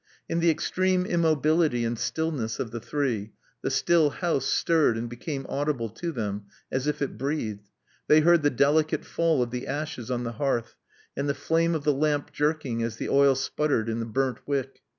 In the extreme immobility and stillness of the three the still house stirred and became audible to them, as if it breathed. They heard the delicate fall of the ashes on the hearth, and the flame of the lamp jerking as the oil sputtered in the burnt wick.